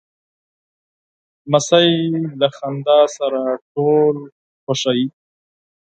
لمسی له خندا سره ټول خوښوي.